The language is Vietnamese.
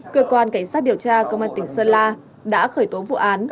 cơ quan cảnh sát điều tra công an tỉnh sơn la đã khởi tố vụ án